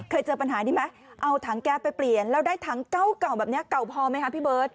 เจอปัญหานี้ไหมเอาถังแก๊สไปเปลี่ยนแล้วได้ถังเก่าแบบนี้เก่าพอไหมคะพี่เบิร์ต